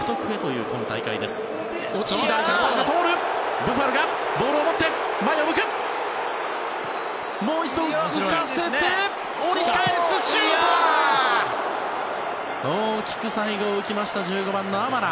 大きく最後、浮きました１５番のアマラ。